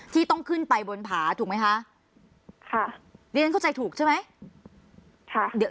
ที่ต้องขึ้นไปบนผาถูกไหมคะค่ะเรียนเข้าใจถูกใช่ไหม